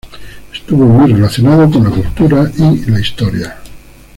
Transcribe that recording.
Estuvo muy relacionado con la cultura y la historia.